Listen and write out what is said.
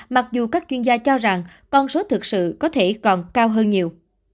mặc dù các chuyên gia cho rằng con số thực sự có thể còn cao hơn nhiều